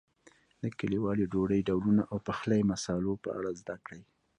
د کلیوالي ډوډۍ ډولونو او د پخلي مسالو په اړه زده کړئ.